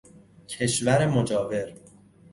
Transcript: کشور مجاور